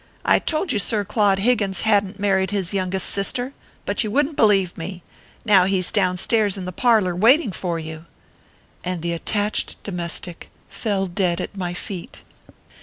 I told you Sir Claude Higgins hadn t mar ried his youngest sister, but you wouldn t believe me. Now he s down stairs in the parlor waiting for you." And the attached domestic fell dead at my feet.